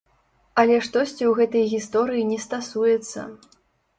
Але штосьці ў гэтай гісторыі не стасуецца.